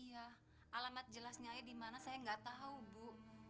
iya alamat jelasnya ya di mana saya nggak tahu bu